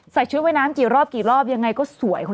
ใส่ชุดไว้น้ำเยี่ยมเลยทุกรอบยังไงก็สวย